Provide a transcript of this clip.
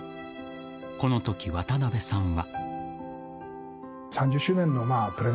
このとき渡辺さんは。